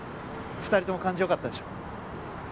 二人とも感じよかったでしょ？